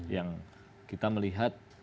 yang kita melihat